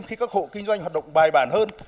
khi các hộ kinh doanh hoạt động bài bản hơn